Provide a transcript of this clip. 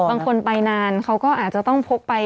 บางคนไปนานเขาก็อาจจะต้องพกไป